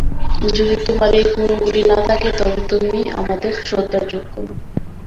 যদি তোমার এই গুণগুলি না থাকে, তবে তুমি আমাদের শ্রদ্ধার যোগ্য নও।